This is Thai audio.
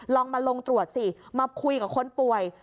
ลองมาลงตรวจสิมาคุยกับคนป่วย